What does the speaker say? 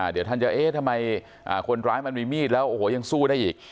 เดี๋ยวท่านจะเอ๊ะทำไมคนร้ายมันมีมีดแล้วโอ้โหยังสู้ได้อีก